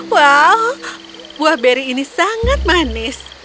wow buah beri ini sangat manis